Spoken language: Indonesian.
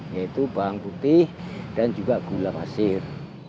yaitu bawang putih dan juga gula pasir